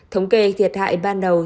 thống kê thiệt hại ban đầu